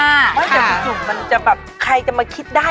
มาจากจุดจุดมันจะแบบใครจะมาคิดได้